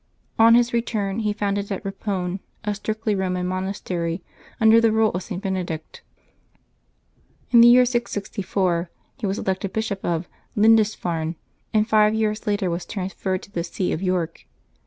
On his return he founded at Eipon a strictly Eoman monastery, under the rule of St. Bene dict. In the year 664 he was elected Bishop of Lindis farne, and five years later was transferred to the see of York.